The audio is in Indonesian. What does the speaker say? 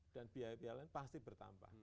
dan biaya biaya lain pasti bertambah